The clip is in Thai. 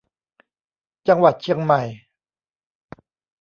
จังหวัดเชียงใหม่